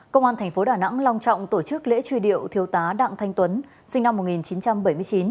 công an tp đà nẵng long trọng tổ chức lễ truy điệu thiếu tá đạng thanh tuấn sinh năm một nghìn chín trăm bảy mươi chín